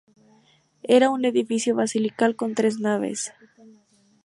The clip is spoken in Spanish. Era un edificio basilical con tres naves.